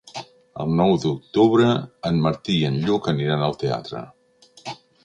El nou d'octubre en Martí i en Lluc aniran al teatre.